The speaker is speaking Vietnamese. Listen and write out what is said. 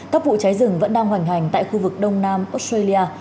các vụ cháy rừng vẫn đang hoành hành tại khu vực đông nam australia